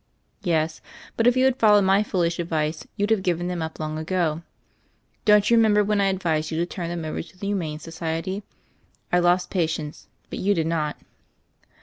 "Yes, but if you had followed my foolish ad vice you'd have given them up long ago. Don't you remember when I advised you to turn them over to the Humane Society? I lost patience; but you did not."